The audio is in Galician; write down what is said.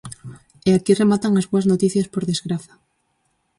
E aquí rematan as boas noticias, por desgraza.